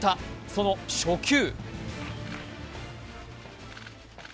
その初球。